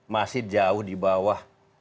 masih jauh di bawah